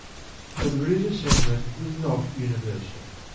But the religious sentiment is not universal.